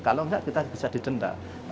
kalau enggak kita bisa didenda